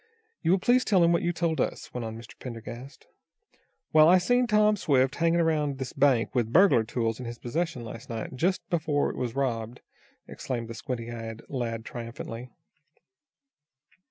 "You will please tell him what you told us," went on Mr. Pendergast. "Well, I seen Tom Swift hanging around this bank with burglar tools in his possession last night, just before it was robbed," exclaimed the squint eyed lad triumphantly.